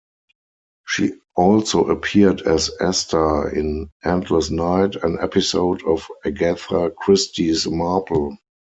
She also appeared as Esther in "Endless Night", an episode of "Agatha Christie's Marple".